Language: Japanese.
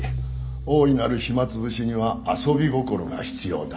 大いなる暇潰しには遊び心が必要だ。